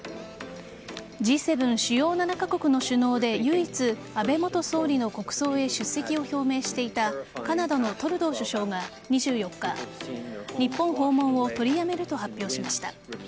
Ｇ７＝主要７カ国の首脳で唯一安倍元総理の国葬へ出席を表明していたカナダのトルドー首相が２４日日本訪問を取りやめると発表しました。